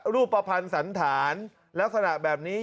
รูปประพันธ์สันฐานลักษณะแบบนี้